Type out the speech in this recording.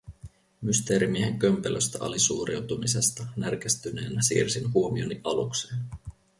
Mysteerimiehen kömpelöstä alisuoriutumisesta närkästyneenä siirsin huomioni alukseen.